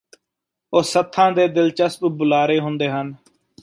ਉਹ ਸੱਥਾਂ ਦੇ ਦਿਲਚਸਪ ਬੁਲਾਰੇ ਹੁੰਦੇ ਹਨ